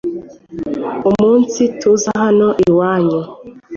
umunsi tuza hano iwanyu